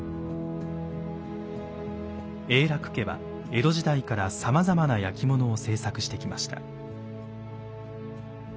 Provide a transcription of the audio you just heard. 永樂家は江戸時代からさまざまな焼物を制作してきました。